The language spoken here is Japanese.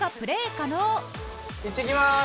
いってきまーす！